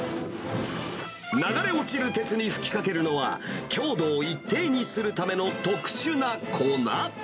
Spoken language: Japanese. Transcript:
流れ落ちる鉄に吹きかけるのは、強度を一定にするための特殊な粉。